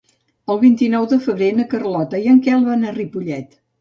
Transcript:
El vint-i-nou de febrer na Carlota i en Quel van a Ripollet.